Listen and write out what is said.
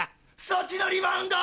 そっちのリバウンド！